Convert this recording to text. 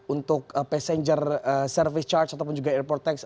untuk passenger service charge ataupun juga airport tax